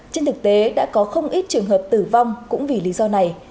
trên thực tế đã có không ít trường hợp tử vong cũng vì lý do này